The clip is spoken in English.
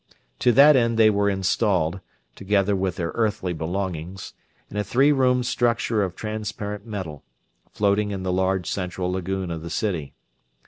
To that end they were installed, together with their earthly belongings, in a three roomed structure of transparent metal, floating in the large central lagoon of the city.